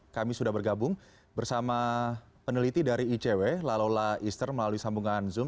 kami sudah bergabung bersama peneliti dari icw lalola easter melalui sambungan zoom